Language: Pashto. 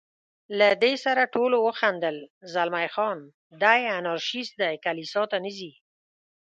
له دې سره ټولو وخندل، زلمی خان: دی انارشیست دی، کلیسا ته نه ځي.